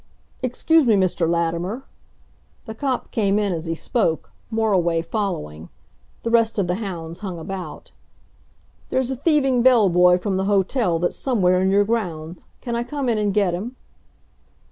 "Excuse me, Mr. Latimer." The cop came in as he spoke, Moriway following; the rest of the hounds hung about. "There's a thieving bell boy from the hotel that's somewhere in your grounds. Can I come in and get him?"